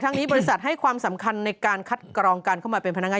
นี้บริษัทให้ความสำคัญในการคัดกรองการเข้ามาเป็นพนักงาน